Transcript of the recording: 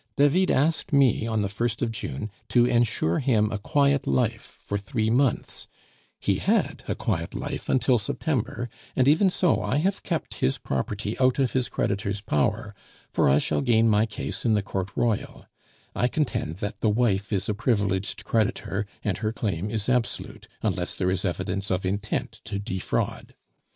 David asked me on the first of June to ensure him a quiet life for three months; he had a quiet life until September, and even so I have kept his property out of his creditors' power, for I shall gain my case in the Court Royal; I contend that the wife is a privileged creditor, and her claim is absolute, unless there is evidence of intent to defraud.